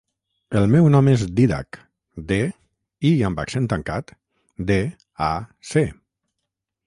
El meu nom és Dídac: de, i amb accent tancat, de, a, ce.